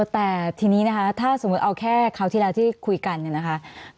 แต่ทีนี้นะคะถ้าสมมุติเอาแค่คราวที่แล้วที่คุยกันเนี่ยนะคะ